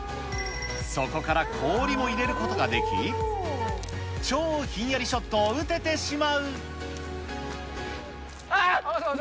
そこから氷も入れることができ、超ひんやりショットを撃ててしまあー！